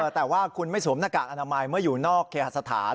แต่ว่าคุณไม่สวมหน้ากากอนามัยเมื่ออยู่นอกเคหสถาน